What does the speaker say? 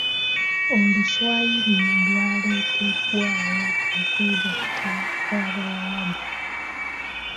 Oluswayiri lwaleetebwawo okwegatta kw'abawarabu.